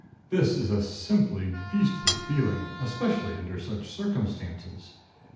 This is a simply beastly feeling, especially under such circumstances.